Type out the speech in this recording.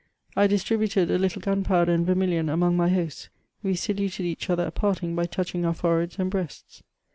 I distributed a little gunpowder and vermilion among my hosts ; we saluted each other at parting by touching our foreheads and breasts.